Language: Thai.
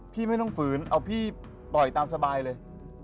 พี่ไม่ต้องฝืนเอาพี่ปล่อยตามสบายเลย